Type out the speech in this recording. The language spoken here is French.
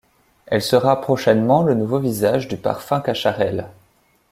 Elle sera prochainement le nouveau visage du Parfum Cacharel.